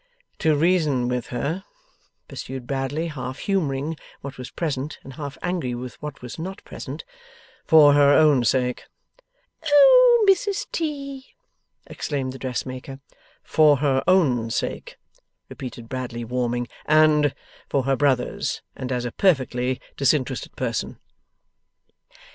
'To reason with her,' pursued Bradley, half humouring what was present, and half angry with what was not present; 'for her own sake.' 'Oh Mrs T.!' exclaimed the dressmaker. 'For her own sake,' repeated Bradley, warming, 'and for her brother's, and as a perfectly disinterested person.